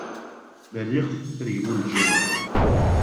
Ma rriɣ-t; ad gmun leǧruḥ.